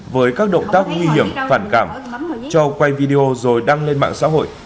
với các động tác nguy hiểm phản cảm cho quay video rồi đăng lên mạng xã hội